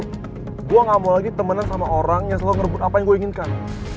gue gak mau lagi temenan sama orang yang selalu ngerebut apa yang gue inginkan